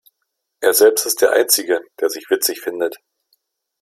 Er selbst ist der Einzige, der sich witzig findet.